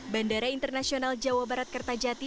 bandara internasional jawa barat kertajati